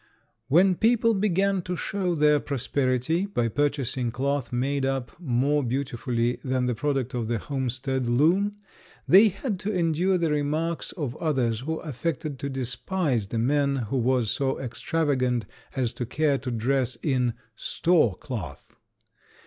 When people began to show their prosperity by purchasing cloth made up more beautifully than the product of the homestead loom they had to endure the remarks of others who affected to despise the man who was so extravagant as to care to dress in "store cloth."